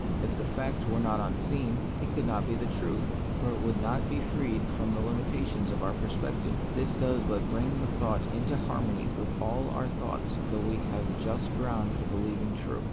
If the fact were not unseen, it could not be the truth ; for it would not be freed from the limitations of our perception. This does but bring the thought into harmony with all our thoughts that we have just ground for be lieving true.